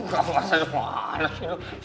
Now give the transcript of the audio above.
gak usah semuanya sih